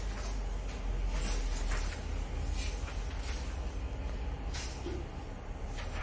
ไม่รู้สึก